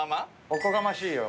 おこがましいよ。